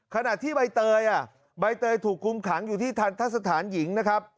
ขณะที่ใบเตยใบเตยถูกคุมขังอยู่ที่ทันทะสถานหญิงนะครับ